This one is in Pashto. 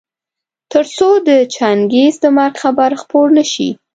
تر څو د چنګېز د مرګ خبر خپور نه شي.